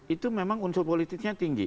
itu memang unsur politiknya tinggi